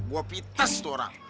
gua pites itu orang